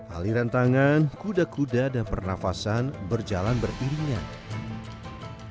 aliran tangan kuda kuda dan pernafasan berjalan beriringan